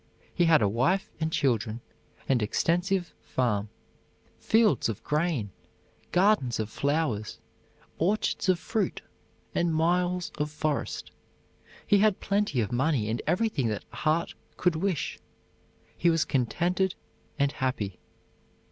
He had a wife and children; an extensive farm, fields of grain, gardens of flowers, orchards of fruit, and miles of forest. He had plenty of money and everything that heart could wish. He was contented and happy.